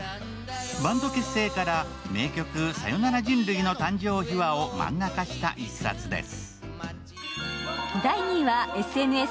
バンド結成から名曲「さよなら人類」の誕生秘話を漫画化した１冊です。